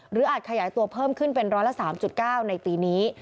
อาจขยายตัวเพิ่มขึ้นเป็นร้อยละ๓๙ในปีนี้